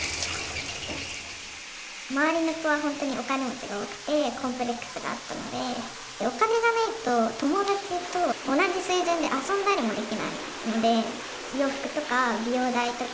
周りの子はほんとにお金持ちが多くてコンプレックスがあったのでお金がないと友達と同じ水準で遊んだりもできないので洋服とか美容代とか。